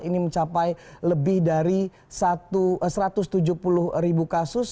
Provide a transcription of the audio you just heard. ini mencapai lebih dari satu ratus tujuh puluh ribu kasus